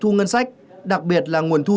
thu ngân sách đặc biệt là nguồn thu